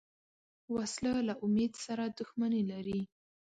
وسله له امید سره دښمني لري